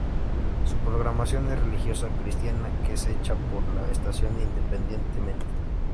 Su programación es religiosa cristiana que es hecha por la estación independientemente.